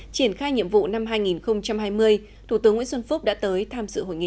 triển khai nhiệm vụ năm hai nghìn hai mươi thủ tướng nguyễn xuân phúc đã tới tham dự hội nghị